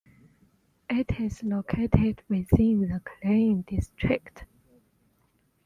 It is located within the Klang District.